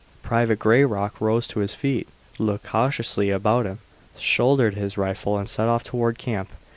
Private Grayrock rose to his feet, looked cautiously about him, shouldered his rifle and set off toward camp.